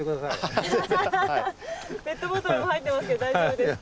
ペットボトルが入ってますけど大丈夫ですか？